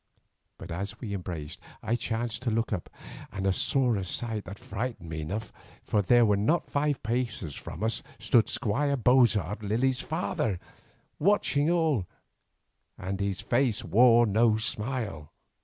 But as we embraced I chanced to look up, and saw a sight that frightened me enough. For there, not five paces from us, stood Squire Bozard, Lily's father, watching all, and his face wore no smile.